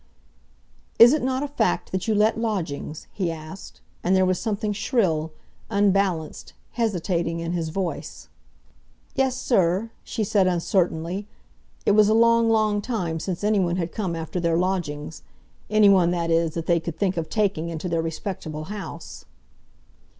"Is it not a fact that you let lodgings?" he asked, and there was something shrill, unbalanced, hesitating, in his voice. "Yes, sir," she said uncertainly—it was a long, long time since anyone had come after their lodgings, anyone, that is, that they could think of taking into their respectable house.